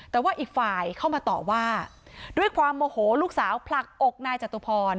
แต่ว่าอีกฝ่ายเข้ามาต่อว่าด้วยความโมโหลูกสาวผลักอกนายจตุพร